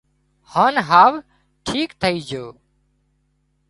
هانَ هاوَ ٺيڪ ٿئي جھو